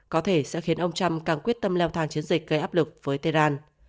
có thể sẽ khiến ông trump càng quyết tâm leo thang chiến dịch gây áp lực với tehran